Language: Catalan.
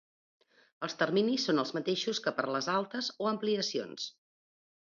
Els terminis són els mateixos que per a les altes o ampliacions.